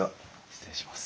失礼します。